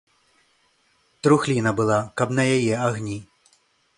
Трухліна была, каб на яе агні.